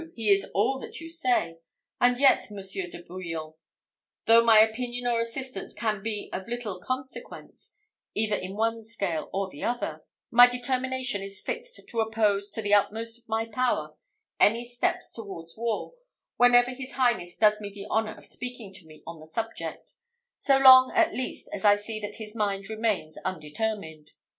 He is all that you say; and yet, Monsieur de Bouillon, though my opinion or assistance can be of very little consequence, either in one scale or the other, my determination is fixed to oppose, to the utmost of my power, any step towards war, whenever his highness does me the honour of speaking to me on the subject so long, at least, as I see that his mind remains undetermined.